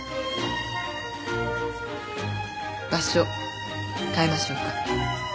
場所変えましょうか。